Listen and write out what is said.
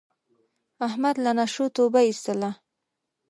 احمد له نشو توبه ایستله.